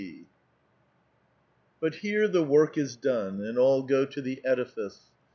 ^ But here the work is done, and all go to the edifice.